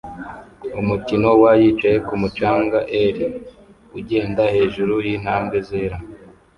Umukino wa yicaye kumu canga er ugenda hejuru yintambwe zera